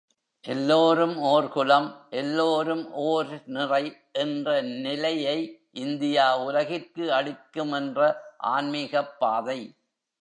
எல்லோரும் ஓர் குலம், எல்லோரும் ஓர் நிறை என்ற நிலையை இந்தியா உலகிற்கு அளிக்கும் என்ற ஆன்மீகப் பாதை.